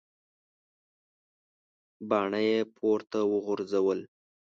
باڼه یې پورته وغورځول.